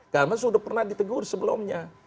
karena sudah pernah ditegur sebelumnya